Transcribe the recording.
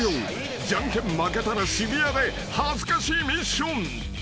［じゃんけん負けたら渋谷で恥ずかしいミッション］